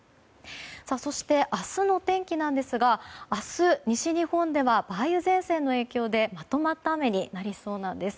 そして明日の天気ですが明日、西日本では梅雨前線の影響でまとまった雨になりそうです。